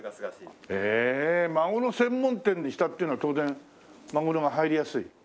へえまぐろ専門店にしたっていうのは当然まぐろが入りやすい？